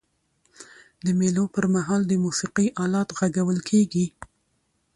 د مېلو پر مهال د موسیقۍ آلات ږغول کيږي.